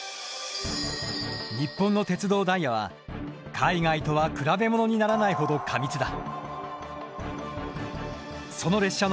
日本の鉄道ダイヤは海外とは比べものにならないほど過密だ。